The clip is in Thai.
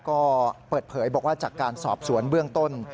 ก็เปิดเผยบอกว่าจากการสอบสวนเบื้องต้น